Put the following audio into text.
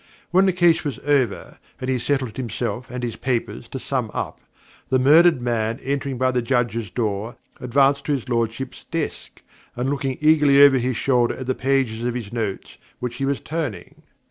When the case was over, and he settled himself and his papers to sum up, the murdered man entering by the Judges' door, advanced to his Lordship's desk, and looked eagerly over his shoulder at the pages of his notes which he was turning.